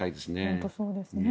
本当にそうですね。